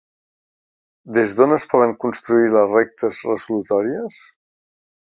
Des d'on es poden construir les rectes resolutòries?